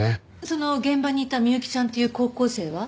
その現場にいた美幸ちゃんっていう高校生は？